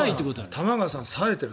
玉川さん、冴えてる。